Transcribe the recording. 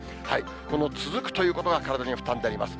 この続くということが体に負担になります。